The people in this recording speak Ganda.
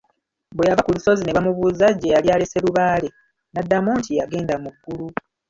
Bwe yava ku lusozi ne bamubuuza gye yali alese Lubaale, n’addamu nti yagenda mu ggulu.